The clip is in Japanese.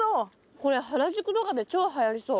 これ原宿とかで超はやりそう。